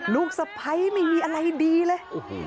ลูกสะพ้ายไม่มีอะไรดีเลย